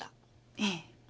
ええ。